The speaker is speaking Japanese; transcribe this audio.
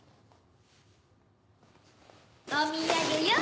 お土産よ！